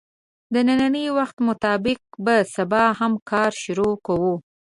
د نني وخت مطابق به سبا هم کار شروع کوو